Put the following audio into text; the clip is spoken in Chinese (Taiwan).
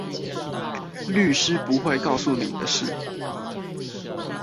律師不會告訴你的事